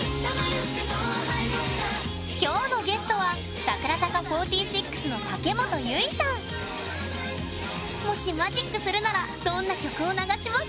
今日のゲストはもしマジックするならどんな曲を流します？